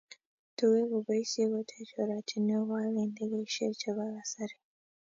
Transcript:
Tugeet koboisyei koteech oratinweek, koal indegeisyek chebo kasari